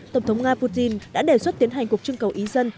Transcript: tổng thống nga putin đã đề xuất tiến hành cuộc trưng cầu ý dân